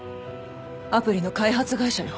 アプリの開発会社よ。